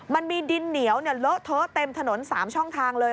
มันมีดินเหนียวเลอะเทอะเต็มถนน๓ช่องทางเลย